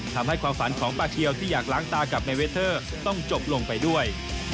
ความฝันของป้าเทียวที่อยากล้างตากับในเวเทอร์ต้องจบลงไปด้วย